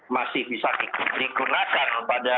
masih bisa dikunakan